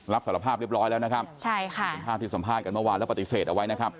รับสารภาพเรียบร้อยแล้วนะครับใช่ค่ะเป็นภาพที่สัมภาษณ์กันเมื่อวานแล้วปฏิเสธเอาไว้นะครับ